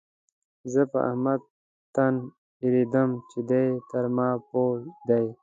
زه پر احمد تن اېږدم چې دی تر ما پوه دی.